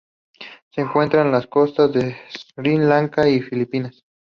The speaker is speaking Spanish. Se encuentra en las costas de Sri Lanka y las Filipinas.